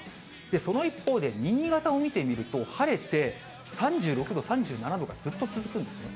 その一方で、新潟を見てみると、晴れて、３６度、３７度がずっと続くんですね。